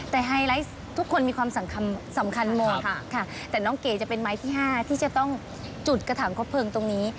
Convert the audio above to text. แต่ไฮไลท์ทุกคนมีความสำคัญหมดค่ะแต่น้องเก๋จะเป็นไม้ที่๕ที่จะต้องจุดกระถางครบเพลิงตรงนี้